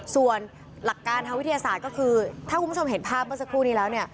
ส่วนหลักการทางวิทยาศาสตร์ก็คือถ้าคุณผู้ชมเห็นภาพเมื่อสักครู่นี้แล้วเนี่ย